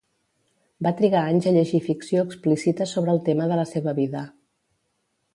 Va trigar anys a llegir ficció explícita sobre el tema de la seva vida.